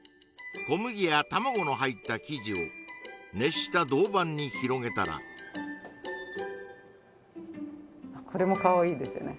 小麦や卵の入った生地を熱した銅板に広げたらこれもかわいいですよね